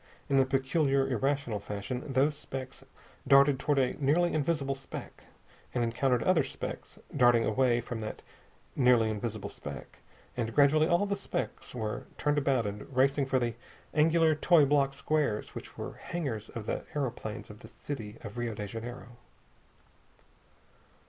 In a peculiar, irrational fashion those specks darted toward a nearly invisible speck, and encountered other specks darting away from that nearly invisible speck, and gradually all the specks were turned about and racing for the angular, toy block squares which were the hangars of the aeroplanes of the city of Rio de Janeiro.